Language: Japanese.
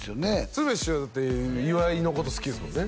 鶴瓶師匠だって岩井のこと好きですもんね？